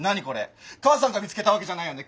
母さんが見つけたわけじゃないよね。